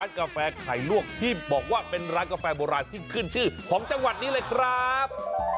กาแฟไข่ลวกที่บอกว่าเป็นร้านกาแฟโบราณที่ขึ้นชื่อของจังหวัดนี้เลยครับ